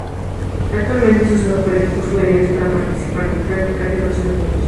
Actualmente es usado por equipos juveniles para practicar diversos deportes.